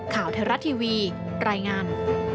ข่าวไทยรัฐทีวีรายงาน